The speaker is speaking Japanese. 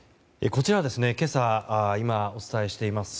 こちら今、お伝えしています